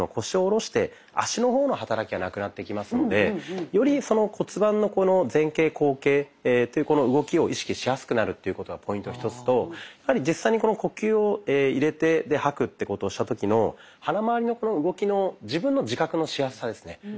腰を下ろして足の方の働きがなくなってきますのでより骨盤の前傾・後傾この動きを意識しやすくなるということがポイント１つと実際に呼吸を入れて吐くってことをした時の腹まわりのこの動きの自分の自覚のしやすさですね。